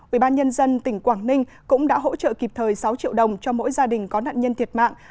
ubnd tỉnh quảng ninh cũng đã hỗ trợ kịp thời sáu triệu đồng cho mỗi gia đình có nạn nhân thiệt mạng